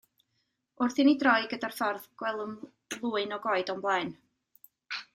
Wrth i ni droi gyda'r ffordd gwelem lwyn o goed o'n blaen.